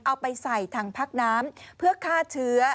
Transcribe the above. เอาไปใส่ถังพักน้ำเพื่อฆ่าเชื้อ